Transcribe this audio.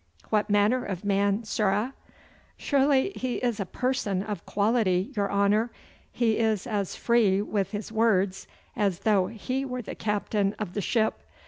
'What manner of man, sirrah?' 'Surely he is a person of quality, your honour. He is as free wi' his words as though he were the captain o' the ship.